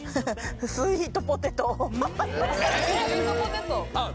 スイートポテトえーっ？